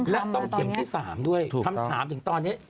และต้องเข็มที่๓ด้วยคำถามถึงตอนนี้